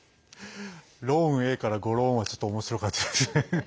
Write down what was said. ローンええからゴローンはちょっとおもしろかったですね。